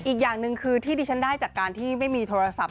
อีกอย่างหนึ่งคือที่ดิฉันได้จากการที่ไม่มีโทรศัพท์